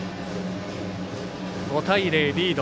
５対０、リード。